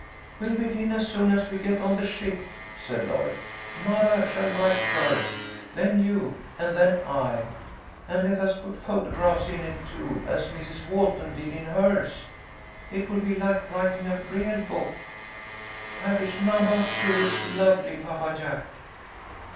"We'll begin as soon as we get on the ship," said Lloyd. "Mothah shall write first, then you, and then I. And let's put photographs in it, too, as Mrs. Walton did in hers. It will be like writing a real book. Package numbah two is lovely, Papa Jack."